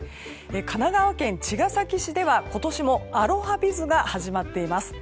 神奈川県茅ヶ崎市では今年もアロハビズが始まっています。